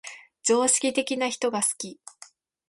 常識的な人が好き